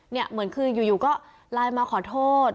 เหมือนคืออยู่ก็ไลน์มาขอโทษ